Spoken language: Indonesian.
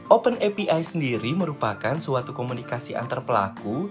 open api sendiri merupakan suatu komunikasi antar pelaku